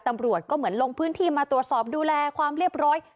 ตำรวจก็เหมือนลงพื้นที่มาตรวจสอบดูแลความเรียบร้อย